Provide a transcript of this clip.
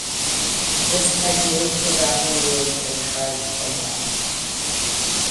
This technique is often used in cars as well.